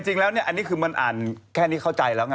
ใช่เริ้นเชิญเลย